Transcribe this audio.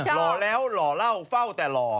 หล่อแล้วหล่อเล่าเฝ้าแต่หล่อ